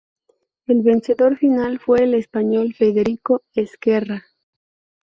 El vencedor final fue el español Federico Ezquerra.